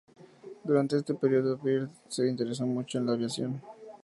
Durante este periodo, Byrd se interesó mucho en la aviación.